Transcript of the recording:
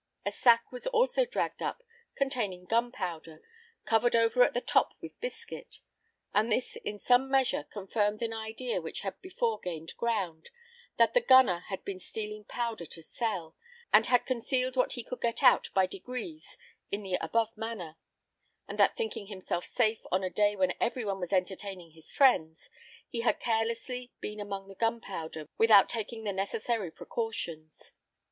A sack was also dragged up, containing gunpowder, covered over at the top with biscuit, and this in some measure, confirmed an idea which had before gained ground, that the gunner had been stealing powder to sell, and had concealed what he could get out by degrees in the above manner; and that, thinking himself safe on a day when every one was entertaining his friends he had carelessly been among the gunpowder without taking the necessary precautions.